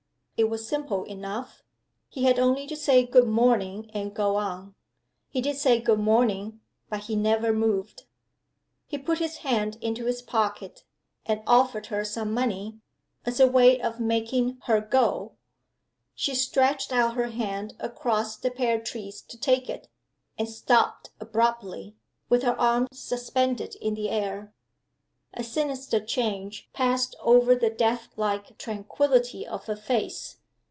It was simple enough; he had only to say good morning, and go on. He did say good morning but he never moved. He put his hand into his pocket, and offered her some money, as a way of making her go. She stretched out her hand across the pear trees to take it and stopped abruptly, with her arm suspended in the air. A sinister change passed over the deathlike tranquillity of her face.